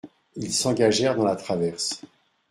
Ils s'engagèrent dans la traverse.